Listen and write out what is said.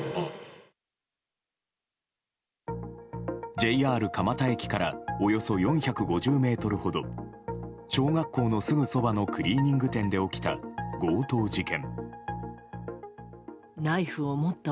ＪＲ蒲田駅からおよそ４５０ｍほど小学校のすぐそばのクリーニング店で起きた強盗事件。